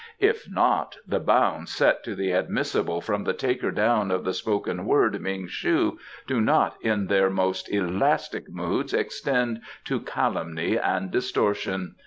If not, the bounds set to the admissible from the taker down of the spoken word, Ming shu, do not in their most elastic moods extend to calumny and distortion.